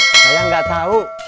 saya nggak tahu